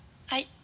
はい。